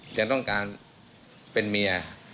จะต้องการเป็นเมีย